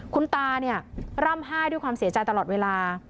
คุณตาเนี่ยร่ำไห้ด้วยความเสียใจตลอดเวลา